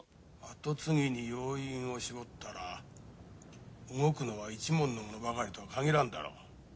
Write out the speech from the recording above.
跡継ぎに要因を絞ったら動くのは一門の者ばかりとはかぎらんだろう。